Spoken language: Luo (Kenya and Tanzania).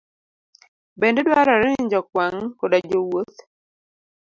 Bende dwarore ni jokwang' koda jowuoth